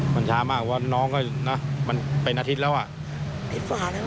มันเฉ้ามากเพิ่นอาทิตย์